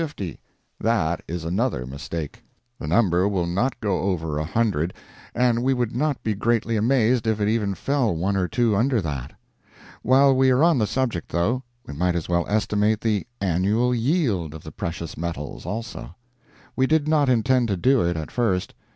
That is another mistake; the number will not go over a hundred, and we would not be greatly amazed if it even fell one or two under that. While we are on the subject, though, we might as well estimate the "annual yield" of the precious metals, also; we did not intend to do it at first.